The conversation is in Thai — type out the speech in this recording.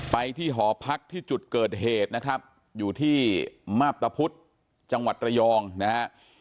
ไปที่หอพักที่จุดเกิดเหตุนะครับอยู่ที่มาบตะพุธจังหวัดระยองนะฮะ